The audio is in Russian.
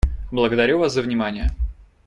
Благодарю вас за внимание.